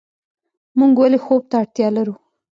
موږ ولې خوب ته اړتیا لرو